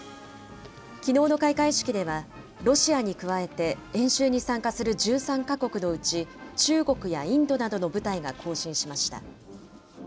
きのうの開会式では、ロシアに加えて演習に参加する１３か国のうち、中国やインドなどの部隊が行進しました。